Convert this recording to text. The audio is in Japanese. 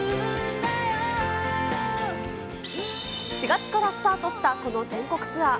４月からスタートしたこの全国ツアー。